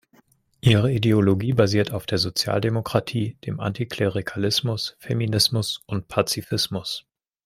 Ihre Ideologie basiert auf der Sozialdemokratie, dem Antiklerikalismus, Feminismus und Pazifismus.